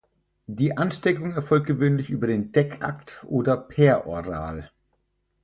Die Ansteckung erfolgt gewöhnlich über den Deckakt oder peroral.